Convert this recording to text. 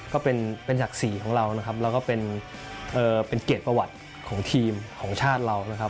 ก็เป็นศักดิ์ศรีของเรานะครับแล้วก็เป็นเกียรติประวัติของทีมของชาติเรานะครับ